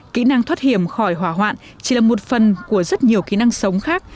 kỹ năng thoát hiểm khỏi hỏa hoạn chỉ là một phần của rất nhiều kỹ năng sống khác